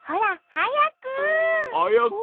はやく。